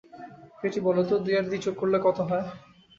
বেটি, বলো তো দুই আর দুই যোগ করলে কত হয়?